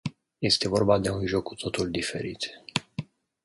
Este vorba de un joc cu totul diferit.